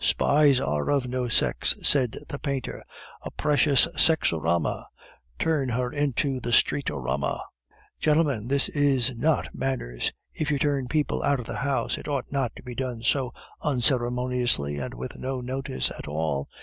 "Spies are of no sex!" said the painter. "A precious sexorama!" "Turn her into the streetorama!" "Gentlemen, this is not manners! If you turn people out of the house, it ought not to be done so unceremoniously and with no notice at all.